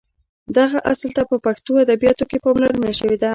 دغه اصل ته په پښتو ادبیاتو کې پاملرنه شوې ده.